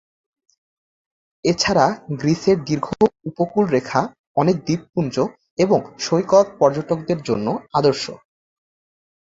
এছাড়া গ্রিসের দীর্ঘ উপকূলরেখা, অনেক দ্বীপপুঞ্জ এবং সৈকত পর্যটনের জন্য আদর্শ।